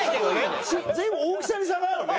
随分大きさに差があるね。